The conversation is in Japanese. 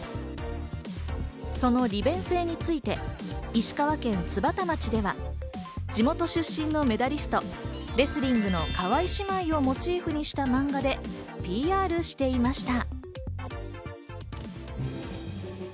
その利便性について石川県津幡町では地元出身のメダリスト、レスリングの川合姉妹をモチーフにした漫画でＰＲしていました。